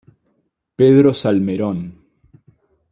Pedro Salmerón.